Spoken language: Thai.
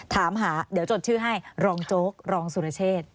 ถามหาเดี๋ยวจดชื่อให้รองโจ๊กรองสุรเชษ